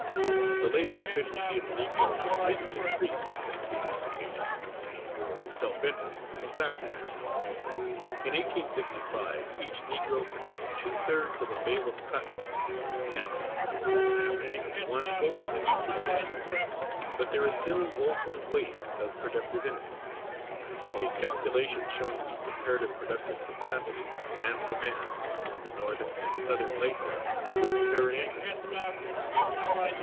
The labor efficiency of the Negro has greatly increased since the emancipation, for self interest is a factor now. In 1865, each Negro produced two thirds of a bale of cotton; now he produces an average of one whole bale to the man. But there is still woful waste of productive energy. A calculation showing the comparative productive capacity, man for man, between the Northern[B] and Southern laborer would be very interesting.